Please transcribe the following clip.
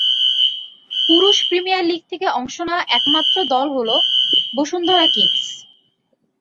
পুরুষ premier league থেকে অংশ নেওয়া একমাত্র দল হলো বসুন্ধরা কিংস।